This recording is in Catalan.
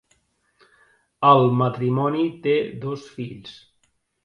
El matrimoni té dos fills.